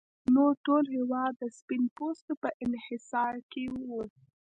نور ټول هېواد د سپین پوستو په انحصار کې و.